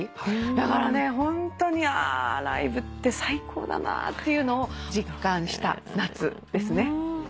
だからねホントにあーライブって最高だなっていうのを実感した夏ですね。